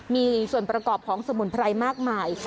มีส่วนประกอบของสมุนไพรมากมาย